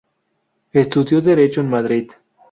Estudió Derecho en Madrid.